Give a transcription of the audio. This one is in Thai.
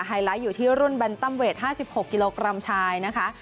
ไลท์อยู่ที่รุ่นแนนตัมเวท๕๖กิโลกรัมชายนะคะ